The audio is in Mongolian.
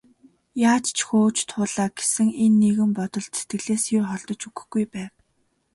Яаж ч хөөж туулаа гэсэн энэ нэгэн бодол сэтгэлээс нь ер холдож өгөхгүй байв.